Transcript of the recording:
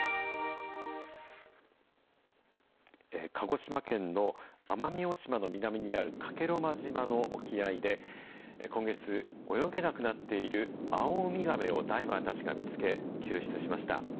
鹿児島県の奄美大島の南にある加計呂麻島の沖合で、今月、泳げなくなっているアオウミガメをダイバーたちが見つけ、救出しました。